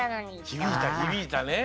ひびいたね。